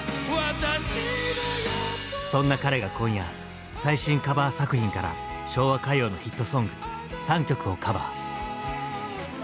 そんな彼が今夜最新カバー作品から昭和歌謡のヒットソング３曲をカバー。